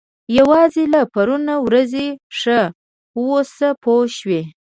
یوازې له پرون ورځې ښه واوسه پوه شوې!.